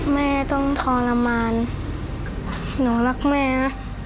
แม่ต้องทรมานหนูรักแม่นะ